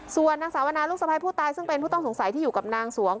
ส่วนนางสาวนาลูกสะพ้ายผู้ตายซึ่งเป็นผู้ต้องสงสัยที่อยู่กับนางสวง